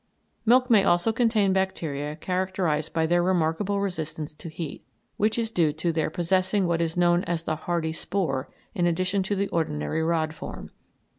Milk may also contain bacteria characterised by their remarkable resistance to heat, which is due to their possessing what is known as the hardy spore in addition to the ordinary rod form.